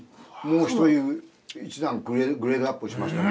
もう一段グレードアップしましたね。